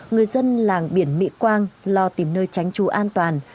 người dân làng biển mỹ quang lo tìm nơi tránh chú an